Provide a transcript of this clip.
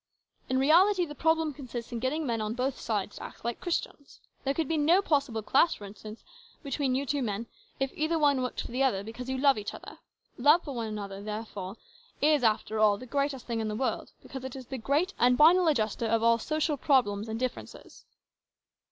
In reality the problem consists in getting men on both sides to act like Christians. There could be no possible clash, for instance, between you two men, if either one worked for the other, because you love each other. Love for one another, therefore, is, after all, the greatest thing in the world, because it is the great and final adjuster of all social problems and differences."